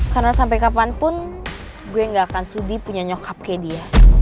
karena sampai kapanpun gue gak akan sudi punya nyokap kayak dia